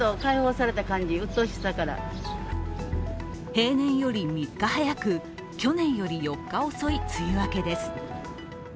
平年より３日早く、去年より４日遅い、梅雨明けです。